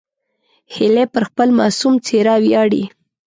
هیلۍ پر خپل معصوم څېره ویاړي